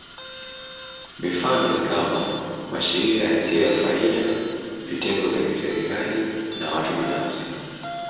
Mifano ni kama: mashirika yasiyo ya faida, vitengo vya kiserikali, na watu binafsi.